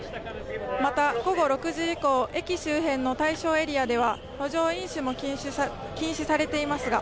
また、午後６時以降、駅周辺の対象エリアでは路上飲酒も禁止されていますが